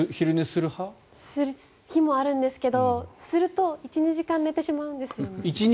する日もあるんですがすると１２時間寝てしまうんです。